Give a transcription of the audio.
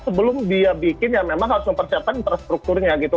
sebelum dia bikin ya memang harus mempersiapkan infrastrukturnya gitu